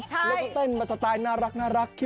แล้วก็เต้นมาสไตล์น่ารัก